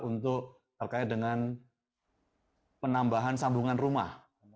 untuk terkait dengan penambahan sambungan rumah